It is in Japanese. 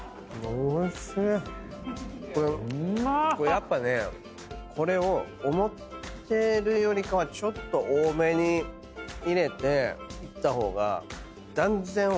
やっぱねこれを思ってるよりかはちょっと多めに入れていった方が断然おいしい。